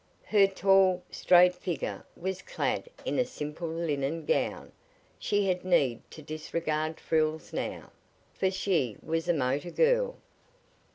Her tall, straight figure was clad in a simple linen gown. She had need to disregard frills now, for she was a motor girl.